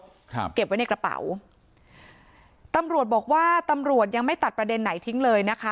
ครับเก็บไว้ในกระเป๋าตำรวจบอกว่าตำรวจยังไม่ตัดประเด็นไหนทิ้งเลยนะคะ